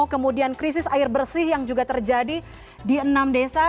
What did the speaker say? kemudian krisis air bersih yang juga terjadi di enam desa